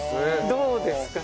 どうですか？